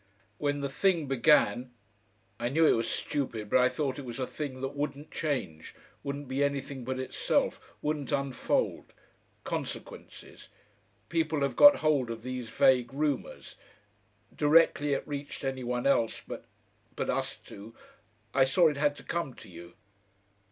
"When the thing began I knew it was stupid but I thought it was a thing that wouldn't change, wouldn't be anything but itself, wouldn't unfold consequences.... People have got hold of these vague rumours.... Directly it reached any one else but but us two I saw it had to come to you."